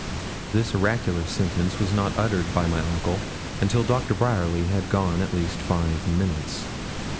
This oracular sentence was not uttered by my uncle until Doctor Bryerly had been gone at least five minutes.